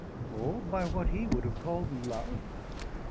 or by what he would have called love?